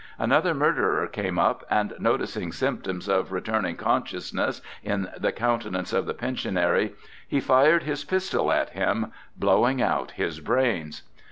Another murderer came up, and noticing symptoms of returning consciousness in the countenance of the Pensionary, he fired his pistol at him, blowing out his brains.